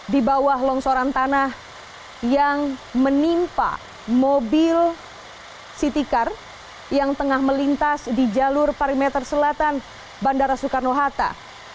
di bawah longsoran tanah yang menimpa mobil city car yang tengah melintas di jalur perimeter selatan bandara soekarno hatta